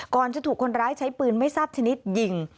ก่อนจะถูกคนร้ายใช้ปืนไม่ทราบชนิดยิง